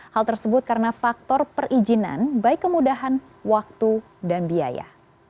hal tersebut karena faktor perizinan baik kemudahan waktu dan biaya